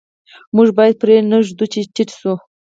موږ باید پرې نه ږدو چې ټیټ شو.